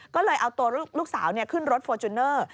ก็เลยเอาตัวลูกสาวขึ้นรถฟอร์จูเนอร์